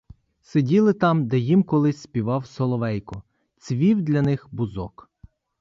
Сиділи там, де їм колись співав соловейко, цвів для них бузок.